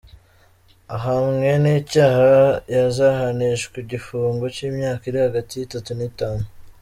Ahamwe n’icyaha yazahanishwa igifungo cy’imyaka iri hagati y’itatu n’itanu.